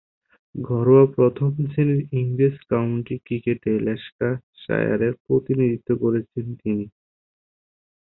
ঘরোয়া প্রথম-শ্রেণীর ইংরেজ কাউন্টি ক্রিকেটে ল্যাঙ্কাশায়ারের প্রতিনিধিত্ব করেছেন তিনি।